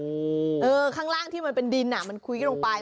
เออข้างล่างที่มันเป็นดินอ่ะมันคุ้ยลงไป